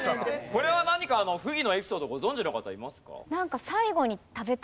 これは何か溥儀のエピソードご存じの方いますか？